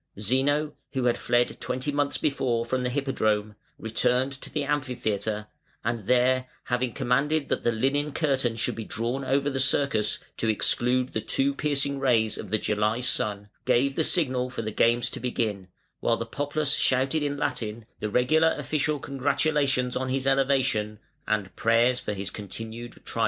Zeno, who had fled twenty months before from the Hippodrome, returned to the Amphitheatre, and there, having commanded that the linen curtain should be drawn over the circus to exclude the too piercing rays of the July sun, gave the signal for the games to begin, while the populace shouted in Latin the regular official congratulations on his elevation and prayers for his continued triumph.